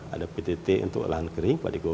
ada ptt untuk lahan kering